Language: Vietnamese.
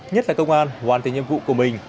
nhất là công an hoàn thành nhiệm vụ của mình